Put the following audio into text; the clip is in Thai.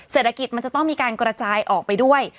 เศรษฐกิจมันจะต้องมีการกระจายออกไปด้วย